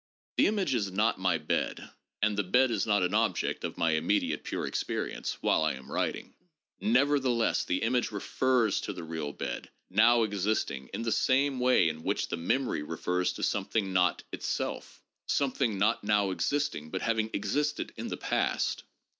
The image is not my bed, and the bed is not an object of my immediate pure experience, while I am writing. Nevertheless the image refers to the real bed, now existing, in the same way in which the memory refers to some thing not itself, something not now existing but having existed in the past.